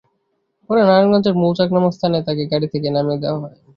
পরে নারায়ণগঞ্জের মৌচাক নামক স্থানে তাঁকে গাড়ি থেকে নামিয়ে দেওয়া হয়।